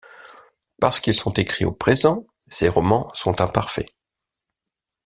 Parce qu’ils sont écrits au présent, ces romans sont imparfaits.